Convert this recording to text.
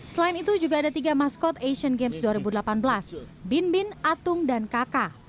selain itu juga ada tiga maskot asian games dua ribu delapan belas bin bin atung dan kk